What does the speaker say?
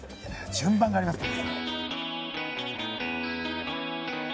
順番がありますから。